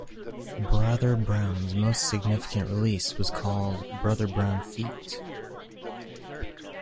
Brother Brown's most significant release was called Brother Brown feat.